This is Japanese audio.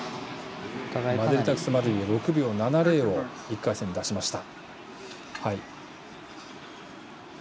マデリタクスマデウィ６秒７０を１回戦、出しました。